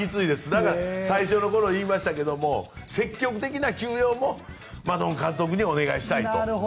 だから、最初の頃に言いましたが積極的な休養もマドン監督にお願いしたいと。